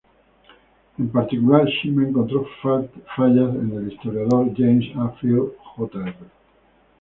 En particular, Shima encontró fallas en el historiador James A. Field, Jr.